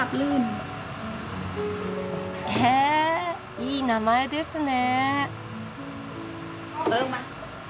へえいい名前ですね。